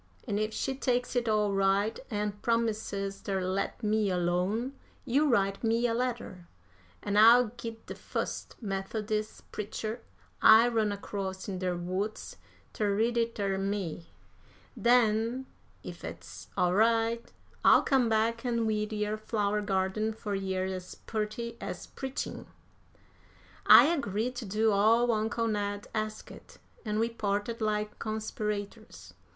An' if she takes it all right, an' promises ter let me alone, you write me a letter, an' I'll git de fust Methodis' preacher I run across in der woods ter read it ter me. Den, ef it's all right, I'll come back an' weed yer flower garden fur yer as purty as preachin'." I agreed to do all uncle Ned asked, and we parted like conspirators.